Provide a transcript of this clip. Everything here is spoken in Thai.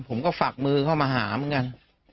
ฝักมือเข้ามาหาเหมือนกัน